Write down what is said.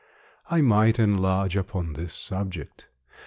I might enlarge upon this subject.